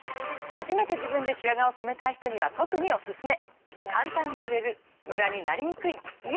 初めて自分で白髪を染めたい人には特にオススメ！